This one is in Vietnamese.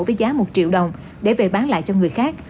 với giá một triệu đồng để về bán lại cho người khác